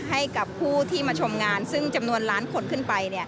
ให้กับผู้ที่มาชมงานซึ่งจำนวนล้านคนขึ้นไป